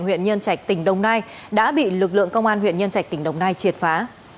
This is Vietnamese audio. huyện nhân trạch tỉnh đồng nai đã bị lực lượng công an huyện nhân trạch tỉnh đồng nai triệt phá